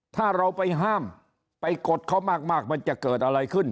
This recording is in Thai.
ถ้าเราไปห้ามไปกดเขามากมันจะเกิดอะไรขึ้น